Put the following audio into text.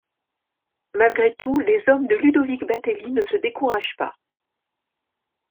Malgré tout les hommes de Ludovic Batelli ne se découragent pas.